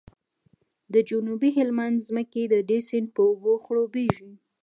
د جنوبي هلمند ځمکې د دې سیند په اوبو خړوبیږي